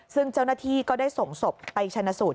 ซึ่งเจ้าหน้าที่ก็ได้ส่งศพไปชนะสูตร